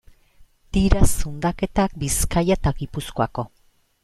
Dira zundaketak Bizkaia eta Gipuzkoako.